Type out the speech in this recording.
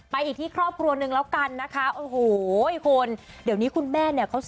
อีกที่ครอบครัวนึงแล้วกันนะคะโอ้โหคุณเดี๋ยวนี้คุณแม่เนี่ยเขา